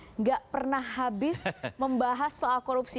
tidak pernah habis membahas soal korupsi